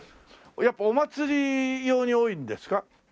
やっぱお祭り用に多いんですか？